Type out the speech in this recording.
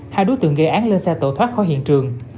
hai đối tượng gây án lên xe tẩu thoát khỏi hiện trường